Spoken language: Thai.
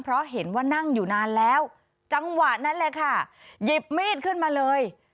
เพราะเห็นว่านั่งอยู่นานแล้วจังหวะนั้นแหละค่ะหยิบมีดขึ้นมาเลย